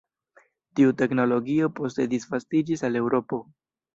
Tiu teknologio poste disvastiĝis al Eŭropo.